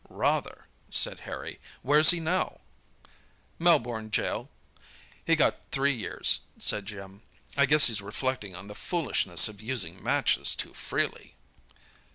"Rather!" said Harry. "Where's he now?" "Melbourne Gaol. He got three years," said Jim. "I guess he's reflecting on the foolishness of using matches too freely!"